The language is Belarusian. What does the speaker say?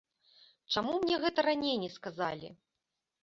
Чаму мне гэта раней не сказалі?!